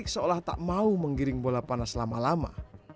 seolah tak mau menggiring bola panas lama lama